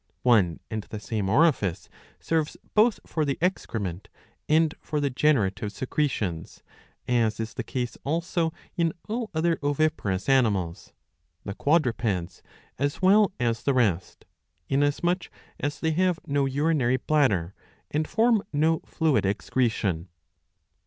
^^ One and the same orifice serves both for the excrement and for the generative secretions,^^ as is the case also in all other oviparous animals, the quadrupeds as well as the rest, inasmuch as they have no urinary, bladder and form no fluid excretion.